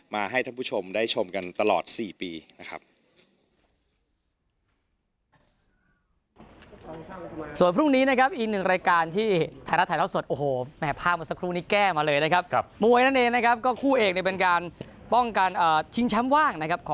มาให้ท่านผู้ชมได้ชมกันตลอด๔ปีนะครับ